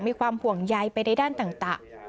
มีความห่วงใยไปในด้านต่าง